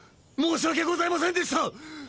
申し訳ございませんでした！